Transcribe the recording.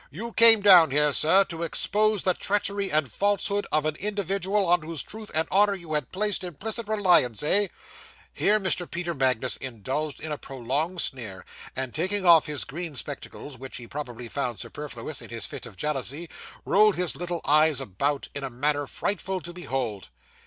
You came down here, sir, to expose the treachery and falsehood of an individual on whose truth and honour you had placed implicit reliance eh?' Here Mr. Peter Magnus indulged in a prolonged sneer; and taking off his green spectacles which he probably found superfluous in his fit of jealousy rolled his little eyes about, in a manner frightful to behold.